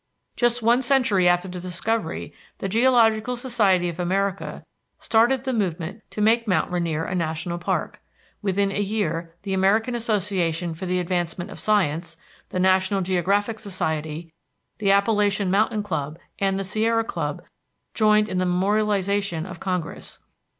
Just one century after the discovery, the Geological Society of America started the movement to make Mount Rainier a national park. Within a year the American Association for the Advancement of Science, the National Geographic Society, the Appalachian Mountain Club, and the Sierra Club joined in the memorialization of Congress.